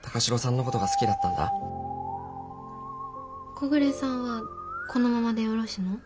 小暮さんはこのままでよろしの？